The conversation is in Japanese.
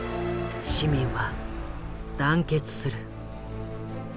市民は団結する。